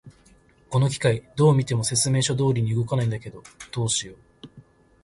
この機械、どう見ても説明書通りに動かないんだけど、どうしよう。